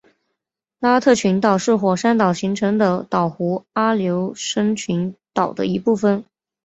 拉特群岛是火山岛形成的岛弧阿留申群岛的一部分。